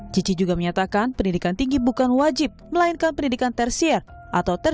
cici juga menyatakan pendidikan tinggi bukan wajib melainkan pendidikan tersier atau ter